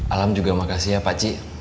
alam juga makasih ya pakcik